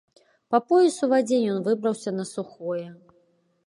Па пояс у вадзе ён выбраўся на сухое.